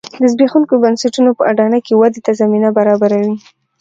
د زبېښونکو بنسټونو په اډانه کې ودې ته زمینه برابروي